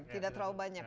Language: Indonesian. tidak terlalu banyak